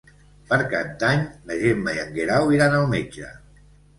Per Cap d'Any na Gemma i en Guerau iran al metge.